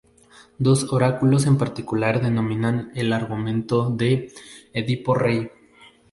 Dos oráculos en particular dominan el argumento de "Edipo rey".